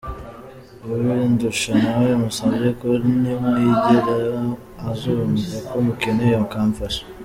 Ubindusha nawe musabye ko nimwegera azumva ko mukeneye akamfasha.